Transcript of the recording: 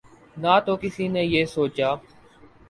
نہ تو کسی نے یہ سوچا